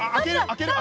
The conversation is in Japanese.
開ける？